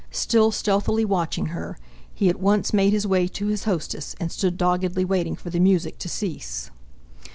Still stealthily watching her, he at once made his way to his hostess, and stood doggedly waiting for the music to cease.